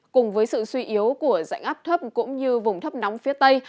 cùng với sự suy yếu của dạnh áp thấp cũng như vùng thấp nóng phía tây